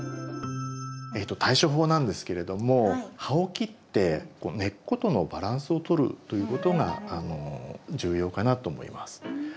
対処法なんですけれども葉を切って根っことのバランスをとるということが重要かなと思います。